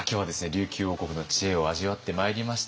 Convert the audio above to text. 琉球王国の知恵を味わってまいりました。